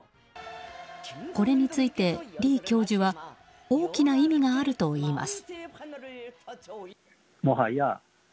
これについて李教授は大きな意味があるといいます。